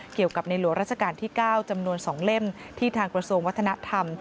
เกี่ยวกับในหลวงราชการที่๙จำนวน๒เล่มที่ทางกระทรวงวัฒนธรรม